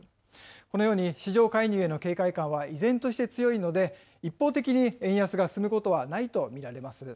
このように市場介入への警戒感は依然として強いので、一方的に円安が進むことはないと見られます。